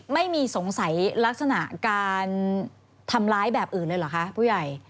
ไม่มีสงสัยลักษณะการทำร้ายแบบอื่นเลยเหรอคะผู้ใหญ่